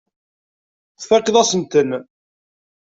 Tfakkeḍ-asen-ten.